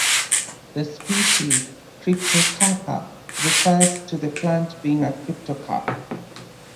The species 'cryptocarpa' refers to the plant being a cryptocarp.